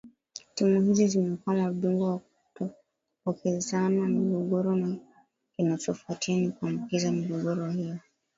timu hizi zimekuwa mabingwa wa kupokezana migogoro na kinachofuatia ni kuambukiza migogoro hiyo hata